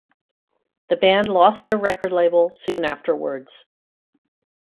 The band lost their record label soon afterwards.